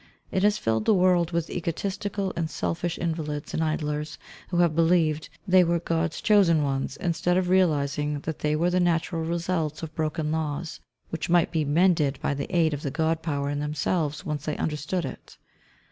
It has filled the world with egotistical and selfish invalids and idlers, who have believed they were "God's chosen ones," instead of realizing that they were the natural results of broken laws, which might be mended by the aid of the God power in themselves, once they understood it.